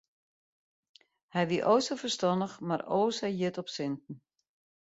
Hy wie o sa ferstannich mar o sa hjit op sinten.